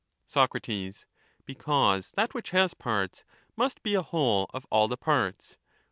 Sac, Because that which has parts must be a whole of all the parts.